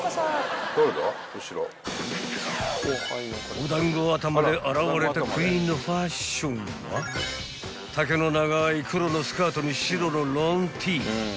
［お団子頭で現れたクイーンのファッションは丈の長い黒のスカートに白のロンＴ］